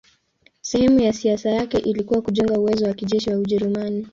Sehemu ya siasa yake ilikuwa kujenga uwezo wa kijeshi wa Ujerumani.